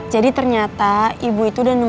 jadi ternyata ibu itu udah nangis